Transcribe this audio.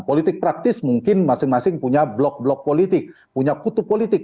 politik praktis mungkin masing masing punya blok blok politik punya kutub politik